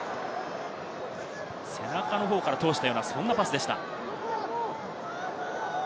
背中の方から通したようなパスでした。